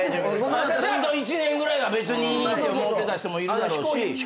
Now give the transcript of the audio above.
私はあと一年ぐらいは別にって思ってた人もいるやろうし。